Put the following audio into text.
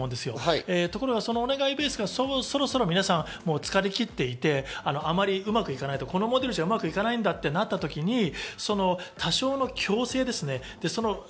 ところが、そのお願いベースがそろそろ皆さん疲れきっていて、あまりうまくいかない、このモデルじゃうまくいかないとなった時に、多少の強制ですね。